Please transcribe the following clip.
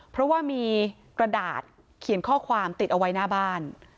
เพราะว่ามีกระดาษเขียนข้อความติดเอาไว้หน้าบ้าน